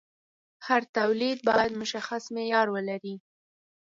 هر تولید باید مشخص معیار ولري.